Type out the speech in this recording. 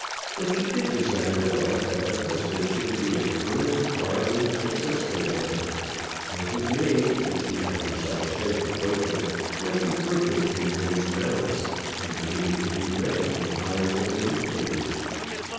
What she did desire was, that her husband should be an earnest, rising, successful man; one whose name, as she had herself said to Bertram, might be frequent in men's mouths, and daily to be read in the columns of newspapers.